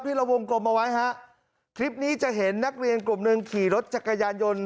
เราวงกลมเอาไว้ฮะคลิปนี้จะเห็นนักเรียนกลุ่มหนึ่งขี่รถจักรยานยนต์